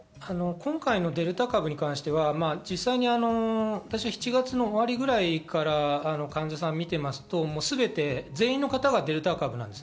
デルタ株に関しては、実際に７月の終わりぐらいから患者さんを見てますと全て、全員の方がデルタ株なんです。